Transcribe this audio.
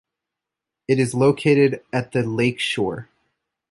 It is located at the lake shore.